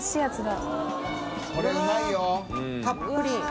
たっぷり！